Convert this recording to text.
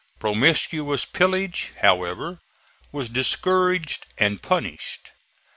Promiscuous pillaging, however, was discouraged and punished.